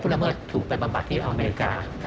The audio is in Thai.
ละเมิดถูกไปบำบัดที่อเมริกา